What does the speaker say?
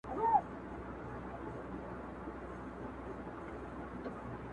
نه چڼچڼۍ سته، نه د زرکو آواز، د چا شپېليو کي نغمې ويښوي!!